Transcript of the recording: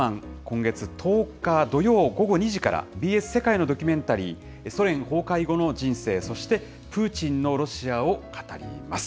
ＢＳ１、１０日土曜午後２時から、ＢＳ世界のドキュメンタリー、ソ連崩壊後の人生、そしてプーチンのロシアを語ります。